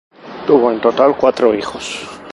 Tuvo en total cuatro hijos.